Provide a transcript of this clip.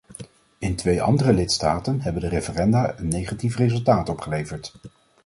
In twee andere lidstaten hebben de referenda een negatief resultaat opgeleverd.